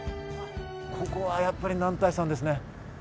ここはやっぱり男体山ですね。